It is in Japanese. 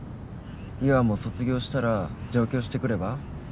優愛も卒業したら上京してくれば？